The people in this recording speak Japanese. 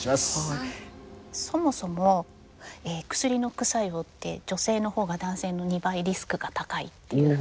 そもそも薬の副作用って女性の方が男性の２倍リスクが高いっていうふうに。